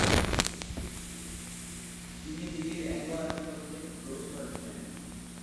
তিনি দিল্লির অ্যাংলো-আরবি কলেজে প্রবেশ করেছিলেন।